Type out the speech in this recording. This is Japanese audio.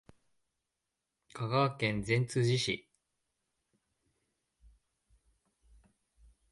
香川県善通寺市